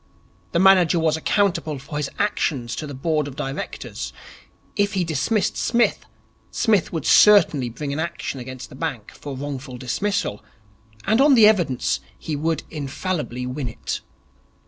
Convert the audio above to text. The manager was accountable for his actions to the Board of Directors. If he dismissed Psmith, Psmith would certainly bring an action against the bank for wrongful dismissal, and on the evidence he would infallibly win it.